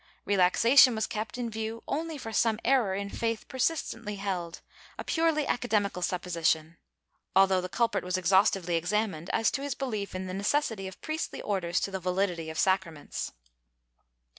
Relaxation was kept in view only for some error in faith persistently held— a purely academical supposition, although the culprit was exhaustively examined as to his belief in the necessity of priestly orders to the validity of sacraments.